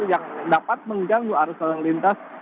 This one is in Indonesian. yang dapat mengganggu arus lalu lintas